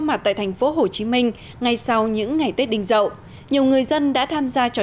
diễn ra ở thành phố hồ chí minh ngay sau những ngày tết đình dậu nhiều người dân đã tham gia trò